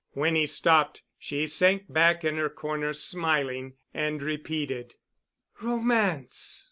When he stopped, she sank back in her corner, smiling, and repeated: "Romance?